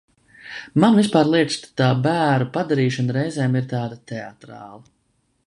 Man vispār liekas tā bēru padarīšana reizēm ir tāda teatrāla.